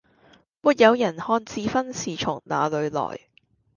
沒有人看智勳是從那裏來